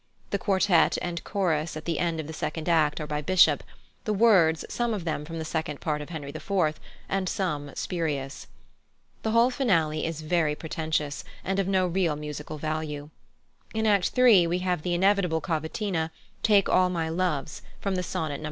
The quartet and chorus at the end of the second act are by Bishop; the words, some of them from the second part of Henry IV., and some spurious. The whole finale is very pretentious and of no real musical value. In Act iii. we have the inevitable cavatina, "Take all my loves," from the Sonnet No.